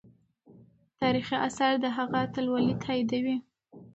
تاریخي آثار د هغې اتلولي تاییدوي.